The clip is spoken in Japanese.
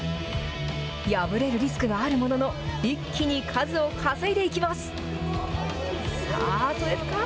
破れるリスクがあるものの、一気に数を稼いでいきます。